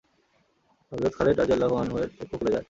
হযরত খালিদ রাযিয়াল্লাহু আনহু-এর চক্ষু খুলে যায়।